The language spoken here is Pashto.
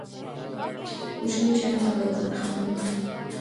کوچنیو شیانو ته باید ځان خپه نه کړي.